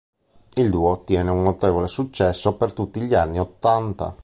Il duo ottiene un notevole successo per tutti gli anni ottanta.